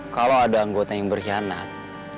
kalau ada anggota yang berkhianat